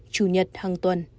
chủ nhật hàng tuần